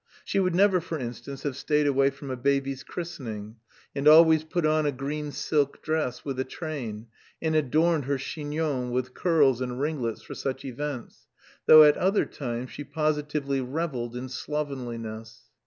She would never, for instance, have stayed away from a baby's christening, and always put on a green silk dress with a train and adorned her chignon with curls and ringlets for such events, though at other times she positively revelled in slovenliness.